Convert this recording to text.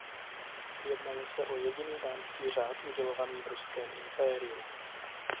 Jednalo se o jediný dámský řád udělovaný v Ruském impériu.